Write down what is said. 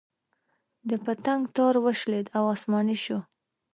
د پتنګ تار وشلېد او اسماني شو.